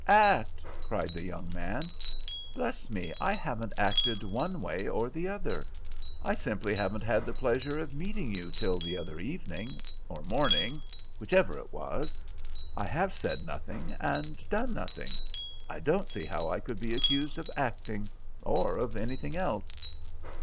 "Act?" cried the young man. "Bless me, I haven't acted one way or the other. I simply haven't had the pleasure of meeting you till the other evening, or morning, which ever it was. I have said nothing, and done nothing. I don't see how I could be accused of acting, or of anything else."